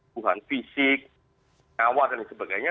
bukan fisik kawas dan lain sebagainya